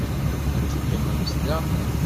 Ad teqqimem da.